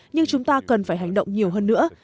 nhưng chúng ta cần phải hành động nhiều hơn nữa